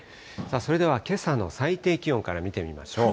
それではけさの最低気温から見てみましょう。